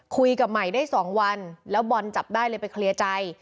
คุยกับใหม่ได้๒วันแล้วบอลจับได้เลยไปเคลียร์ใจ